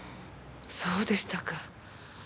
そうでしたか。